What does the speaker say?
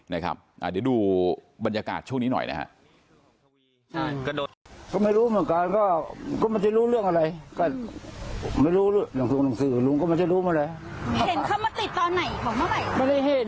นะครับเดี๋ยวดูบรรยากาศช่วงนี้หน่อยนะครับ